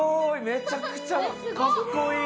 めちゃくちゃかっこいい！